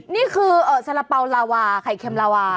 นี่คือสาระเป๋าลาวาไข่เค็มลาวา